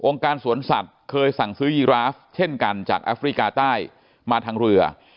การสวนสัตว์เคยสั่งซื้อยีราฟเช่นกันจากแอฟริกาใต้มาทางเรือ